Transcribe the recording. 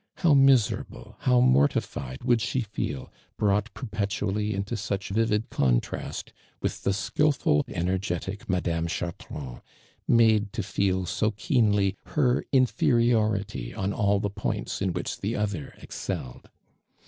How miscrahlo, how niortitied wouhl she feel, brought perpotuiilly into such vivid contnist with the skilful, energetic Madame t'lnr trand ; made to feel so keenly her inferiority on all tlia points in which the other ex celled.